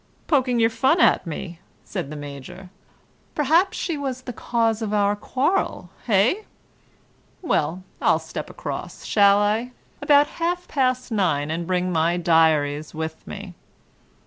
"Poking your fun at me," said the Major. "Perhaps she was the cause of our quarrel, hey? Well, I'll step across, shall I, about half past nine, and bring my diaries with me?"